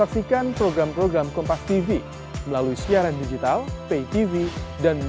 artinya akan di luar pemerintahan